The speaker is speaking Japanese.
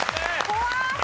怖い！